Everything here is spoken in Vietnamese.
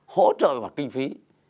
hỗ trợ về mặt kinh phí